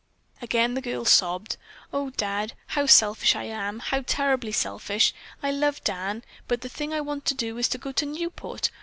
Again the girl sobbed. "Oh, Dad, how selfish I am! How terribly selfish! I love Dan, but the thing I want to do is to go to Newport.